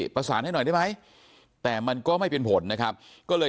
เพราะไม่เคยถามลูกสาวนะว่าไปทำธุรกิจแบบไหนอะไรยังไง